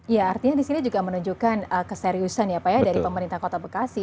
iya artinya disini juga menunjukkan keseriusan ya pak ya dari pemerintah kota bekasi